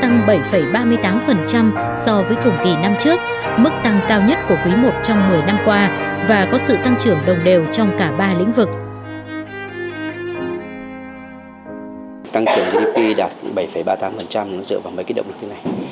tăng trưởng gdp đạt bảy ba mươi tám dựa vào mấy cái động lực thế này